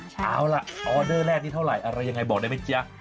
เอาล่ะออเดอร์แรกนี่เท่าไหร่อะไรยังไงบอกได้ไหมจ๊ะ